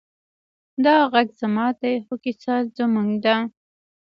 دا غږ زما دی، خو کیسه زموږ ده.